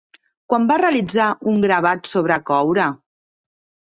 Quan va realitzar un gravat sobre coure?